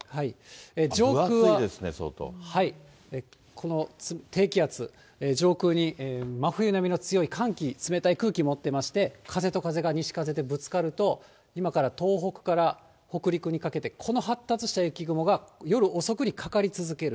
分厚いですね、この低気圧、上空に真冬並みの強い寒気、冷たい空気、持っていまして、風と風が西風でぶつかると、今から東北から北陸にかけて、この発達した雪雲が、夜遅くにかかり続ける。